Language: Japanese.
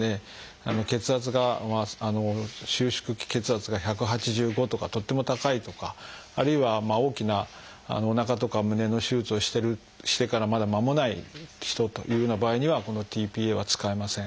血圧が収縮期血圧が１８５とかとっても高いとかあるいは大きなおなかとか胸の手術をしてからまだ間もない人というような場合にはこのｔ−ＰＡは使えません。